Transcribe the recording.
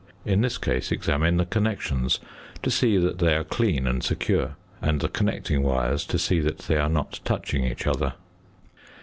In this case examine the connections to see that they are clean and secure, and the connecting wires to see that they are not touching each other.